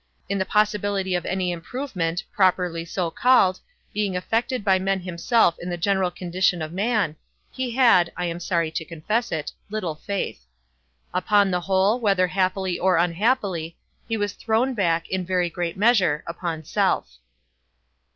In the possibility of any improvement, properly so called, being effected by man himself in the general condition of man, he had (I am sorry to confess it) little faith. Upon the whole, whether happily or unhappily, he was thrown back, in very great measure, upon self.